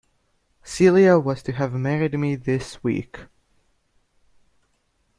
Celia was to have married me this week.